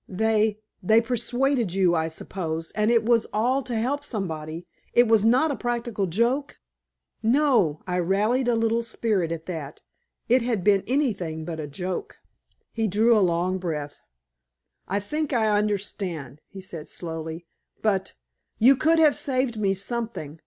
"They they persuaded you, I suppose, and it was to help somebody? It was not a practical joke?" "No," I rallied a little spirit at that. It had been anything but a joke. He drew a long breath. "I think I understand," he said slowly, "but you could have saved me something.